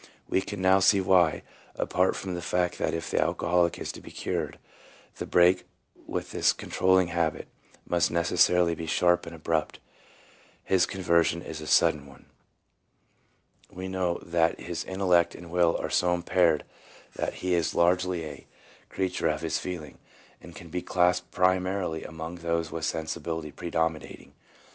We can now see why — apart from the fact that if the alcoholic is to be cured, the break with his con trolling habit must necessarily be sharp and abrupt — his conversion is a sudden one. We know that his intellect and will are so impaired that he is largely a 1 G. A, Coe, The Spiritual Life, pp. 109 150, 312 PSYCHOLOGY OF ALCOHOLISM. creature of his feelings, and can be classed primarily among those with sensibility predominating.